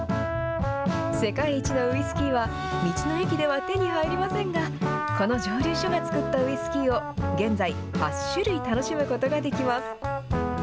世界一のウイスキーは道の駅では手に入りませんが、この蒸留所が作ったウイスキーを、現在、８種類楽しむことができます。